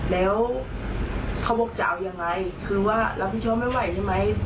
แล้วเขาบอกจะเอายังไงคือว่ารับผิดชอบไม่ไหวใช่ไหม